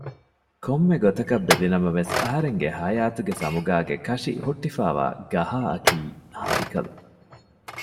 ކޮންމެ ގޮތަކަށް ބެލިނަމަވެސް އަހަރެންގެ ހަޔާތުގެ ސަމުގާގެ ކަށި ހުއްޓިފައިވާ ގަހާއަކީ ހައިކަލު